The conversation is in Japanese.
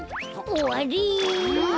おわり！